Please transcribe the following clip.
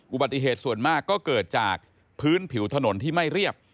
อุบัติเหตุส่วนมากก็เกิดจากพื้นผิวถนนที่ไม่เรียบ